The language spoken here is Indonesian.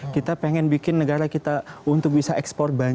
kita pengen bikin negara kita untuk bisa ekspor bahan